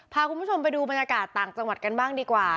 พาคุณผู้ชมไปดูบรรยากาศต่างจังหวัดกันบ้างดีกว่า